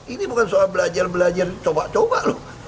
ini bukan soal belajar belajar coba coba loh